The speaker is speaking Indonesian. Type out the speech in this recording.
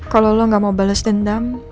kalau lo nggak mau balas dendam